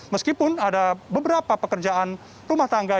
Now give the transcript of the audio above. meskipun ada beberapa pekerjaan rumah tangga